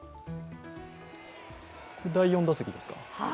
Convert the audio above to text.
第４打席ですか。